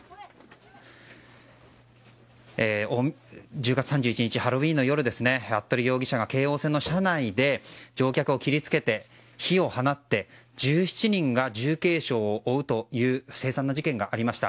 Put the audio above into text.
１０月３１日ハロウィーンの夜に服部容疑者が京王線の車内で乗客を切りつけて火を放って１７人が重軽傷を負うという凄惨な事件がありました。